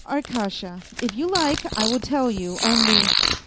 " Ar kasha ! If you like, I will tell you ; only